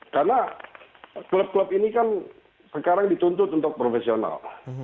karena klub klub ini kan sekarang dituntut untuk profesional